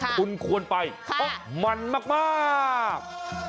คุณควรไปเพราะมันมาก